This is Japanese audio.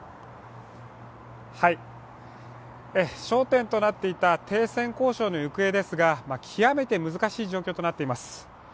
焦点となっていた停戦交渉の行方ですが、極めて難しい状況となっています